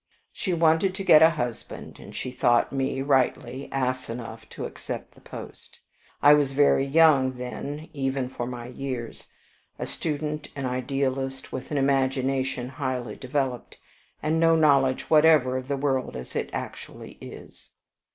She wanted to get a husband, and she thought me rightly ass enough to accept the post. I was very young then even for my years, a student, an idealist, with an imagination highly developed, and no knowledge whatever of the world as it actually is.